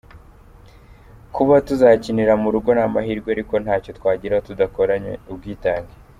Kuba tuzakinira mu rugo ni amahirwe ariko ntacyo twageraho tudakoranye ubwitange.